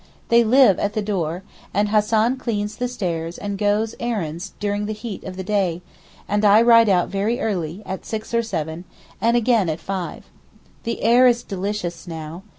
They live at the door, and Hassan cleans the stairs and goes errands during the heat of the day, and I ride out very early, at six or seven, and again at five. The air is delicious now.